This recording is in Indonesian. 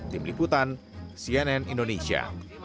tim liputan cnn indonesia